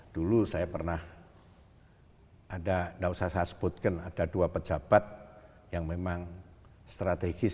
dulu saya pernah ada nggak usah saya sebutkan ada dua pejabat yang memang strategis